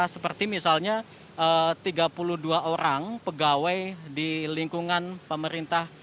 seperti misalnya tiga puluh dua orang pegawai di lingkungan pemerintah